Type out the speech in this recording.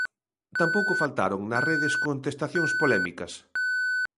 Tampouco faltaron nas redes contestacións polémicas.